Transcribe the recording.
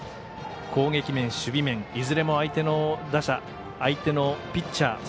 攻撃面、守備面いずれも相手の打者相手のピッチャー